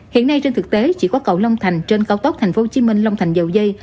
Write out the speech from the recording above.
hiện nay trên thực tế chỉ có cầu long thành trên cao tốc tp hcm long thành dầu dây